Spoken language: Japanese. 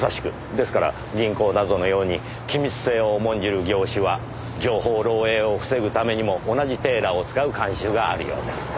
ですから銀行などのように機密性を重んじる業種は情報漏洩を防ぐためにも同じテーラーを使う慣習があるようです。